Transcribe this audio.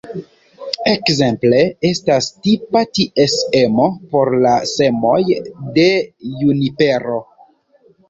Ekzemple estas tipa ties emo por la semoj de junipero.